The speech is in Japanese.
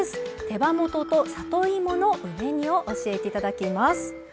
手羽元と里芋の梅煮を教えて頂きます。